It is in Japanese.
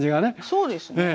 そうですね。